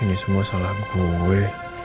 ini semua salah gue